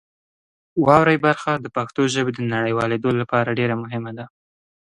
واورئ برخه د پښتو ژبې د نړیوالېدو لپاره ډېر مهمه ده.